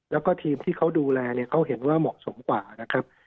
แล้วก็ทีมที่เขาดูแลเนี่ยเขาเห็นว่าเหมาะสมกว่านะครับ